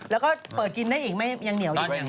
แล้วก็เปิดกินได้อีกยังเหนียวอยู่